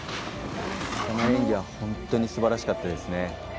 この演技は本当にすばらしかったですね。